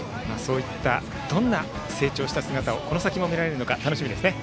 どんな成長した姿をこの先も見られるのか楽しみですね。